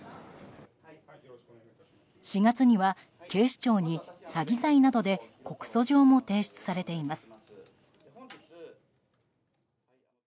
４月には、警視庁に詐欺罪などで告訴状も提出されています。